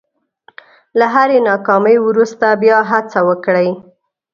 له هرې ناکامۍ وروسته بیا هڅه وکړئ.